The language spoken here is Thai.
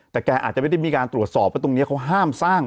แต่แกอาจจะไม่ได้มีการตรวจสอบว่าตรงนี้เขาห้ามสร้าง